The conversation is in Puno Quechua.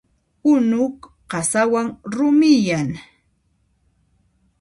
Unu qasawan rumiyan.